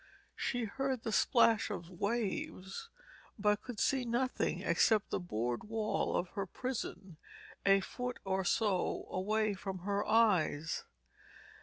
She heard the splash of waves but could see nothing except the boarded wall of her prison a foot or so away from her eyes.